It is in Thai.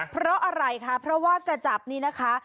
เพราะอะไรคะเพราะว่ากระจับนี้นะคะ